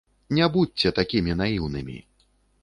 Не будзьце такімі наіўнымі.